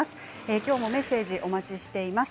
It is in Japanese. きょうもメッセージをお待ちしています。